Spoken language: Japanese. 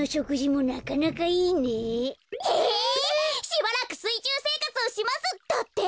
「しばらくすいちゅうせいかつをします」だって。